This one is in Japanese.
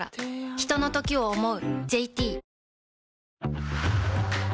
ひとのときを、想う。